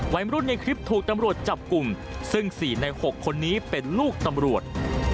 วัยรุ่นในคลิปถูกตำรวจจับกลุ่มซึ่ง๔ใน๖คนนี้เป็นลูกตำรวจ